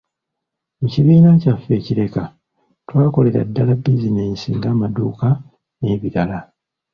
Mu kibiina kyaffe e Kireka, twakolera ddala bizinensi ng'amaduuka, n'ebirala.